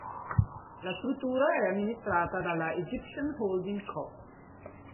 La struttura è amministrata dalla "Egyptian Holding Co.